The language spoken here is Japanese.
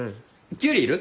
キュウリ要る？